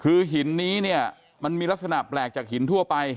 คือหินนี้เนี่ยมันมีลักษณะแปลกจากหินทั่วไป